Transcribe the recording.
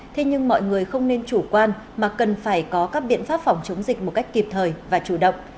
thế nhưng mọi người không nên chủ quan mà cần phải có các biện pháp phòng chống dịch một cách kịp thời và chủ động